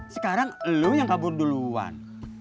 sekarang lo yang kabur duluan